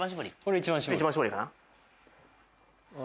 一番搾りかなうわ